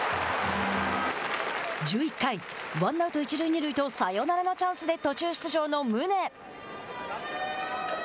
１１回、ワンアウト、一塁二塁とサヨナラのチャンスで途中出場の宗。